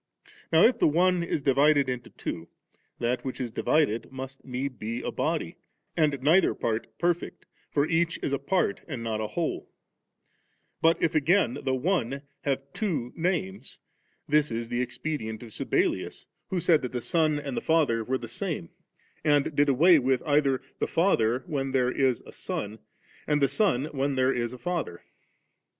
Now if the one is divided into two, that which is divided must need be a body, and neither part perfect, for each is a part and not a whole. But if again the one have two names, this is the expedient of Sabellius, who said that Son and ^^ SPhiLB.9. 4johnanra.7,«, 5Enmh.f.Mmruil.v?'6,3»,^9tcttc > Joluia.4 Father were the sam^ and did away with either, the Father when there is a Son, and the Son when there is a Father.